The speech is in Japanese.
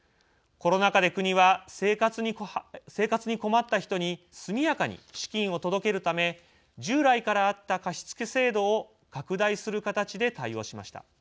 コロナ禍で国は生活に困った人に速やかに資金を届けるため従来からあった貸付制度を拡大する形で対応しました。